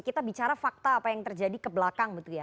kita bicara fakta apa yang terjadi kebelakang